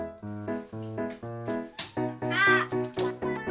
あっ！